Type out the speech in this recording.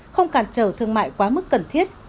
không cản trở thương mại quá mức cần thiết